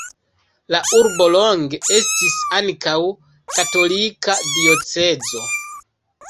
La urbo longe estis ankaŭ katolika diocezo.